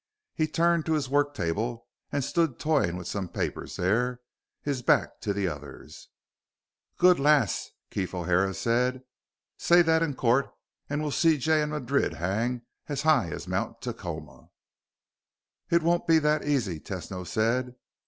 He turned to his work table and stood toying with some papers there, his back to the others. "Good lass!" Keef O'Hara said. "Say that in court and we'll see Jay and Madrid hang as high as Mount Tacoma." "It won't be that easy," Tesno said.